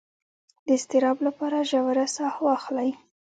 د اضطراب لپاره ژوره ساه واخلئ